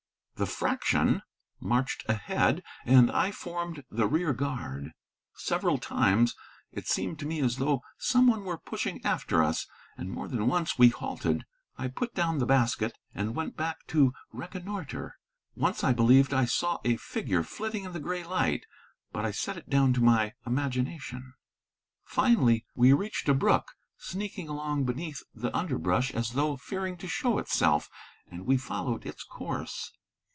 The Fraction marched ahead, and I formed the rear guard. Several times it seemed to me as though someone were pushing after us, and more than once we halted. I put down the basket and went back to reconnoitre. Once I believed I saw a figure flitting in the gray light, but I set it down to my imagination. Finally we reached a brook, sneaking along beneath the underbrush as though fearing to show itself, and we followed its course.